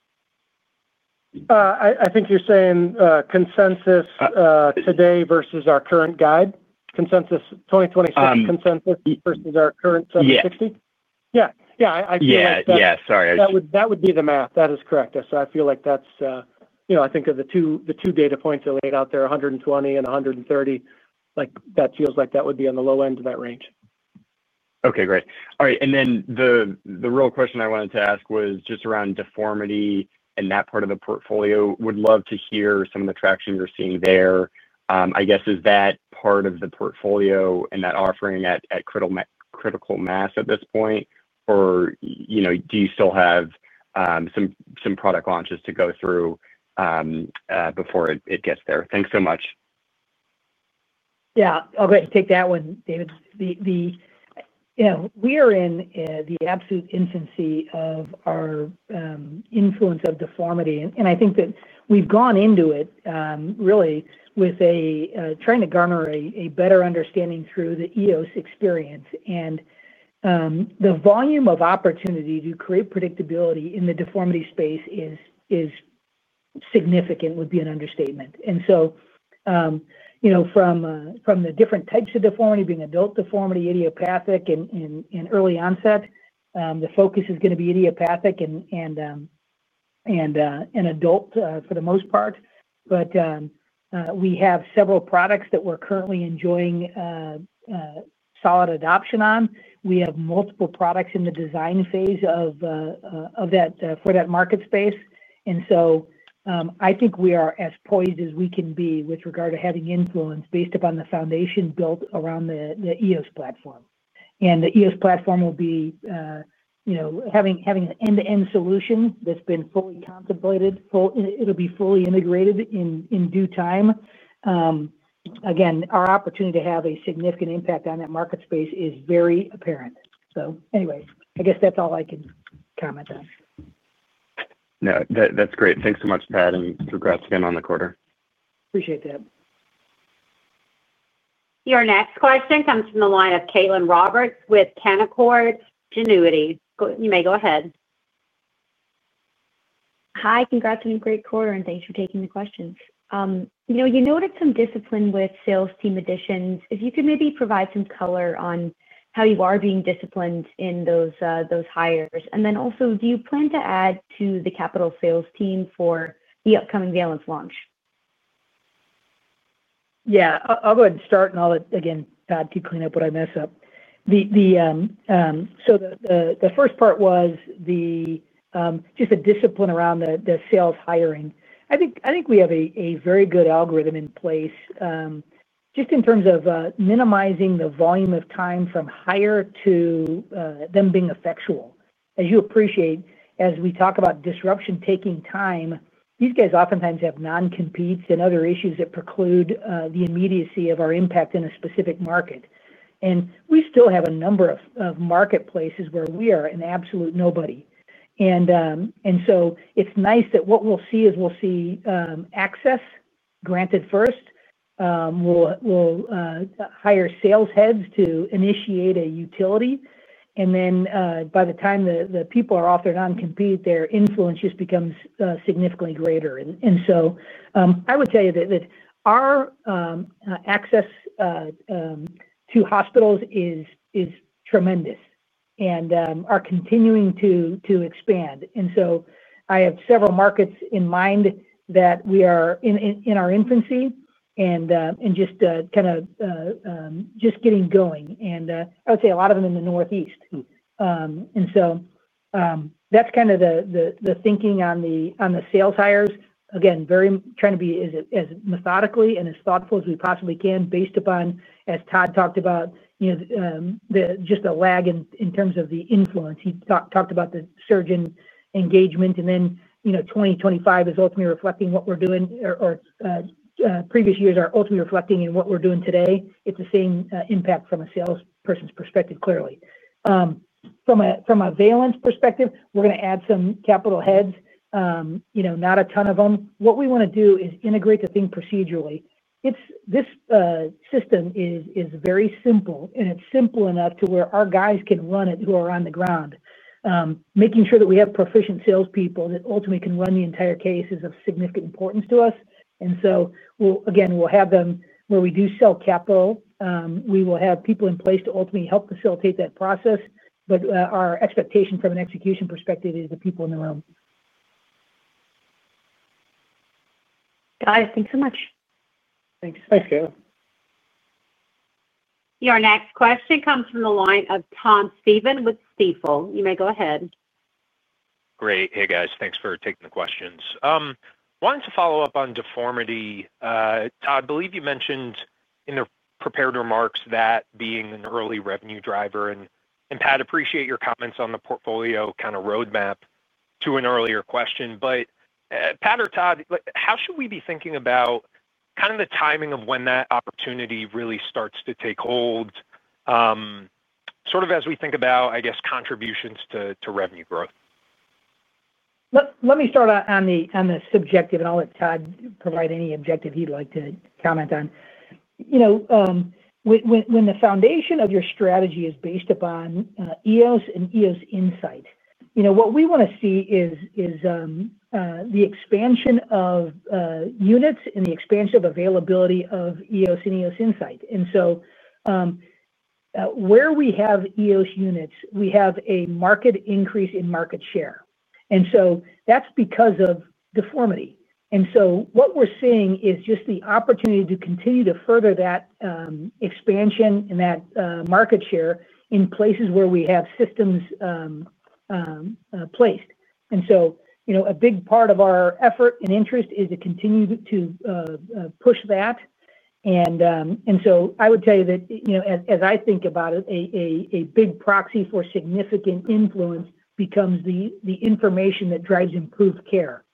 I think you're saying consensus today versus our current guide, consensus 2026 consensus versus our current [$760 million] Yeah. Yeah. I feel like that. Yeah, sorry. That would be the math. That is correct. I feel like of the two data points that laid out there, $120 million and $130 million, that feels like that would be on the low end of that range. Great. All right. The real question I wanted to ask was just around deformity and that part of the portfolio. Would love to hear some of the traction you're seeing there. I guess, is that part of the portfolio and that offering at critical mass at this point? Do you still have some product launches to go through before it gets there? Thanks so much. Yeah. Oh, great. Take that one, David. We are in the absolute infancy of our influence of deformity. I think that we've gone into it really with trying to garner a better understanding through the EOS experience. The volume of opportunity to create predictability in the deformity space is significant would be an understatement. From the different types of deformity, being adult deformity, idiopathic, and early onset, the focus is going to be idiopathic and adult for the most part. We have several products that we're currently enjoying solid adoption on. We have multiple products in the design phase for that market space. I think we are as poised as we can be with regard to having influence based upon the foundation built around the EOS platform. The EOS platform will be having an end-to-end solution that's been fully contemplated. It'll be fully integrated in due time. Again, our opportunity to have a significant impact on that market space is very apparent. Anyway, I guess that's all I can comment on. No, that's great. Thanks so much, Pat. Congrats again on the quarter. Appreciate that. Your next question comes from the line of Caitlin Roberts with Canaccord Genuity. You may go ahead. Hi. Congrats on a great quarter, and thanks for taking the questions. You noted some discipline with sales team additions. If you could maybe provide some color on how you are being disciplined in those hires. Also, do you plan to add to the capital sales team for the upcoming Valence launch? Yeah. I'll go ahead and start, and again, Todd, you clean up what I mess up. The first part was just the discipline around the sales hiring. I think we have a very good algorithm in place, just in terms of minimizing the volume of time from hire to them being effectual. As you appreciate, as we talk about disruption taking time, these guys oftentimes have non-competes and other issues that preclude the immediacy of our impact in a specific market. We still have a number of marketplaces where we are an absolute nobody. It's nice that what we'll see is we'll see access granted first. We'll hire sales heads to initiate a utility, and then by the time the people are off their non-compete, their influence just becomes significantly greater. I would tell you that our access to hospitals is tremendous and is continuing to expand. I have several markets in mind that we are in our infancy and just kind of getting going. I would say a lot of them in the Northeast. That's kind of the thinking on the sales hires, again, trying to be as methodical and as thoughtful as we possibly can based upon, as Todd talked about, just a lag in terms of the influence. He talked about the surgeon engagement, and then 2025 is ultimately reflecting what we're doing, or previous years are ultimately reflecting in what we're doing today. It's the same impact from a salesperson's perspective, clearly. From a Valence perspective, we're going to add some capital heads, not a ton of them. What we want to do is integrate the thing procedurally. This system is very simple, and it's simple enough to where our guys can run it who are on the ground. Making sure that we have proficient salespeople that ultimately can run the entire case is of significant importance to us. Again, we'll have them where we do sell capital. We will have people in place to ultimately help facilitate that process, but our expectation from an execution perspective is the people in the room. Guys, thanks so much. Thanks. Thanks, Caitlin. Your next question comes from the line of Tom Stephan with Stifel. You may go ahead. Great. Hey, guys. Thanks for taking the questions. Wanted to follow up on deformity. Todd, I believe you mentioned in the prepared remarks that being an early revenue driver. Pat, I appreciate your comments on the portfolio kind of roadmap to an earlier question. Pat or Todd, how should we be thinking about kind of the timing of when that opportunity really starts to take hold, sort of as we think about, I guess, contributions to revenue growth? Let me start on the subjective, and I'll let Todd provide any objective he'd like to comment on. When the foundation of your strategy is based upon EOS and EOS Insight, what we want to see is the expansion of units and the expansion of availability of EOS and EOS Insight. Where we have EOS units, we have a marked increase in market share. That's because of deformity. What we're seeing is just the opportunity to continue to further that expansion and that market share in places where we have systems placed. A big part of our effort and interest is to continue to push that. I would tell you that as I think about it, a big proxy for significant influence becomes the information that drives improved care.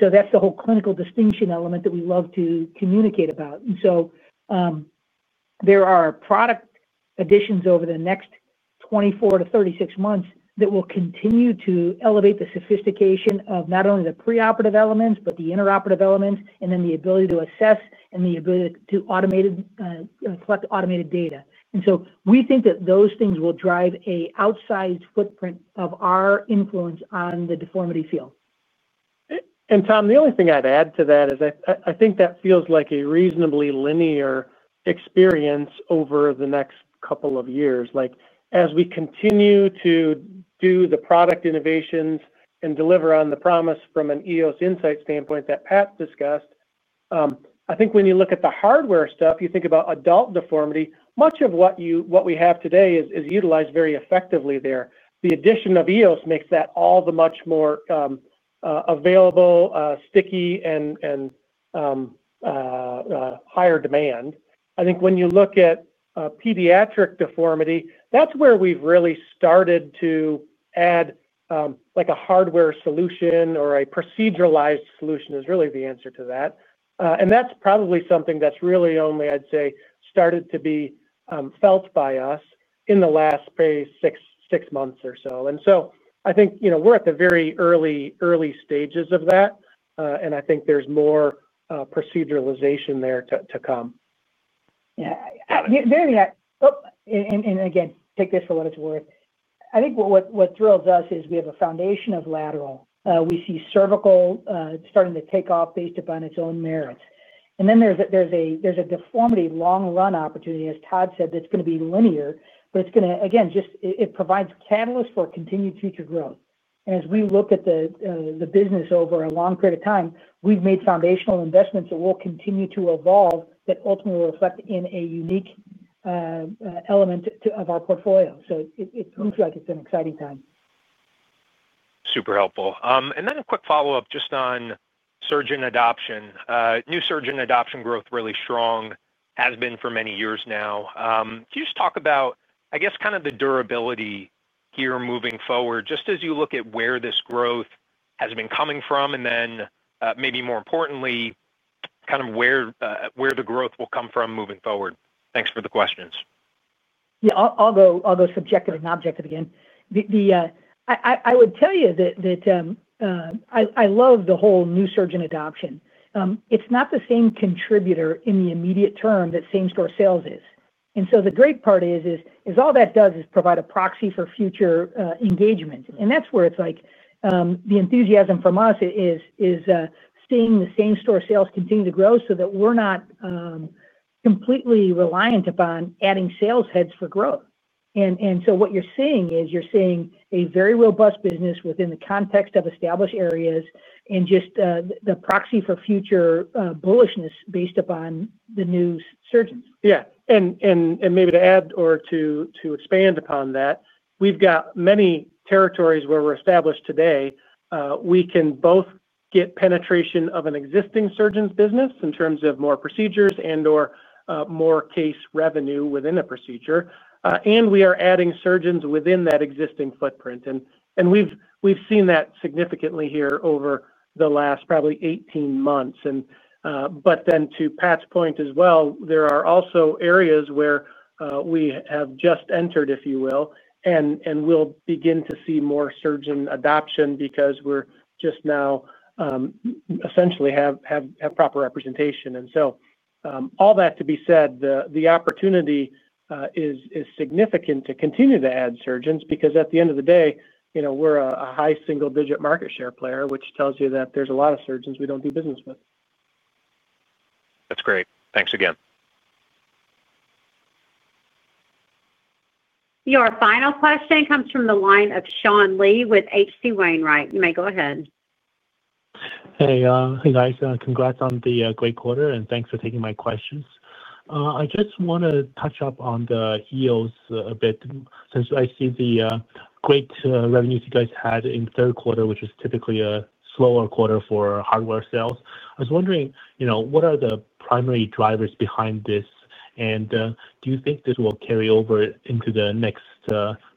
That's the whole clinical distinction element that we love to communicate about. There are product additions over the next 24-36 months that will continue to elevate the sophistication of not only the preoperative elements, but the intraoperative elements, and then the ability to assess and the ability to collect automated data. We think that those things will drive an outsized footprint of our influence on the deformity field. And Tom, the only thing I'd add to that is I think that feels like a reasonably linear experience over the next couple of years. As we continue to do the product innovations and deliver on the promise from an EOS Insight standpoint that Pat discussed, I think when you look at the hardware stuff, you think about adult deformity. Much of what we have today is utilized very effectively there. The addition of EOS makes that all the much more available, sticky, and higher demand. I think when you look at pediatric deformity, that's where we've really started to add. A hardware solution or a proceduralized solution is really the answer to that, and that's probably something that's really only, I'd say, started to be felt by us in the last six months or so. I think we're at the very early stages of that, and I think there's more proceduralization there to come. Yeah, take this for what it's worth. I think what thrills us is we have a foundation of lateral. We see cervical starting to take off based upon its own merits. There is a deformity long-run opportunity, as Todd said, that's going to be linear, but it's going to, again, just provide catalysts for continued future growth. As we look at the business over a long period of time, we've made foundational investments that will continue to evolve that ultimately reflect in a unique element of our portfolio. It looks like it's an exciting time. Super helpful. A quick follow-up just on surgeon adoption. New surgeon adoption growth really strong, has been for many years now. Can you just talk about, I guess, kind of the durability here moving forward, just as you look at where this growth has been coming from, and then maybe more importantly, kind of where the growth will come from moving forward? Thanks for the questions. Yeah. I'll go subjective and objective again. I would tell you that I love the whole new surgeon adoption. It's not the same contributor in the immediate term that same-store sales is. The great part is all that does is provide a proxy for future engagement. That's where it's like the enthusiasm from us is seeing the same-store sales continue to grow so that we're not completely reliant upon adding sales heads for growth. What you're seeing is you're seeing a very robust business within the context of established areas and just the proxy for future bullishness based upon the new surgeons. Maybe to add or to expand upon that, we've got many territories where we're established today. We can both get penetration of an existing surgeon's business in terms of more procedures and/or more case revenue within a procedure. We are adding surgeons within that existing footprint, and we've seen that significantly here over the last probably 18 months. To Pat's point as well, there are also areas where we have just entered, if you will, and we'll begin to see more surgeon adoption because we essentially have proper representation now. All that to be said, the opportunity is significant to continue to add surgeons because at the end of the day, we're a high single-digit market share player, which tells you that there's a lot of surgeons we don't do business with. That's great. Thanks again. Your final question comes from the line of Sean Lee with H.C. Wainwright. You may go ahead. Hey, guys. Congrats on the great quarter, and thanks for taking my questions. I just want to touch up on the EOS a bit since I see the great revenues you guys had in the third quarter, which is typically a slower quarter for hardware sales. I was wondering, what are the primary drivers behind this, and do you think this will carry over into the next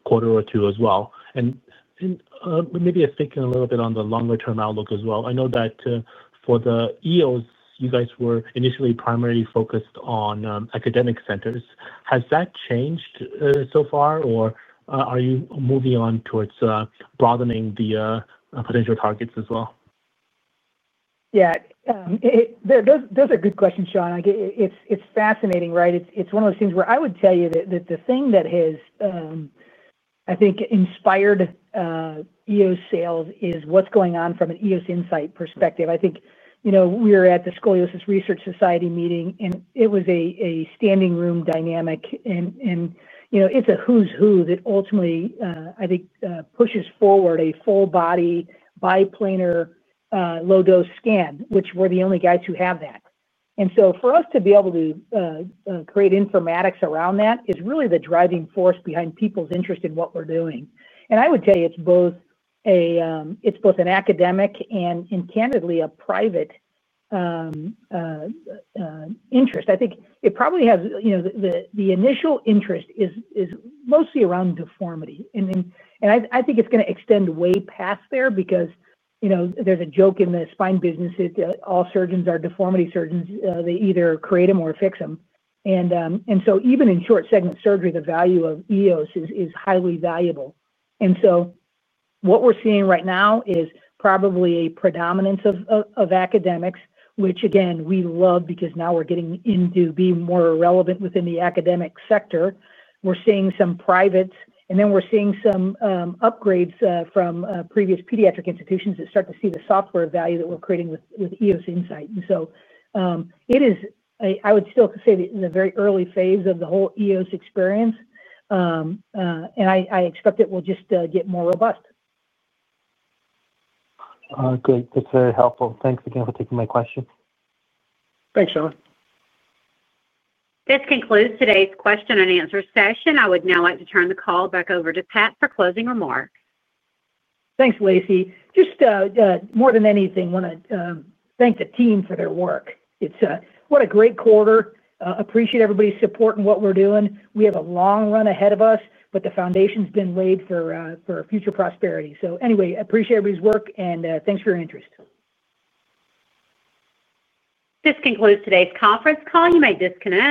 quarter or two as well? Maybe just thinking a little bit on the longer-term outlook as well. I know that for the EOS, you guys were initially primarily focused on academic centers. Has that changed so far, or are you moving on towards broadening the potential targets as well? Yeah. Those are good questions, Sean. It's fascinating, right? It's one of those things where I would tell you that the thing that has, I think, inspired EOS sales is what's going on from an EOS Insight perspective. I think we were at the Scoliosis Research Society meeting, and it was a standing room dynamic. It's a who's who that ultimately, I think, pushes forward a full-body biplanar low-dose scan, which we're the only guys who have that. For us to be able to create informatics around that is really the driving force behind people's interest in what we're doing. I would tell you it's both an academic and, candidly, a private interest. I think it probably has the initial interest mostly around deformity, and I think it's going to extend way past there because there's a joke in the spine business that all surgeons are deformity surgeons. They either create them or fix them. Even in short-segment surgery, the value of EOS is highly valuable. What we're seeing right now is probably a predominance of academics, which, again, we love because now we're getting into being more relevant within the academic sector. We're seeing some privates, and then we're seeing some upgrades from previous pediatric institutions that start to see the software value that we're creating with EOS Insight. I would still say that in the very early phase of the whole EOS experience, and I expect it will just get more robust. Great. That's very helpful. Thanks again for taking my question. Thanks, Sean. This concludes today's question and answer session. I would now like to turn the call back over to Pat for closing remarks. Thanks, Lacey. More than anything, I want to thank the team for their work. It's what a great quarter. Appreciate everybody's support in what we're doing. We have a long run ahead of us, but the foundation's been laid for future prosperity. I appreciate everybody's work, and thanks for your interest. This concludes today's conference call. You may disconnect.